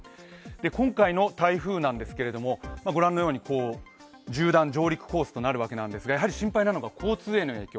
今回の台風なんですけれども、縦断・上陸コースとなるわけなんですが、やはり心配なのが交通への影響。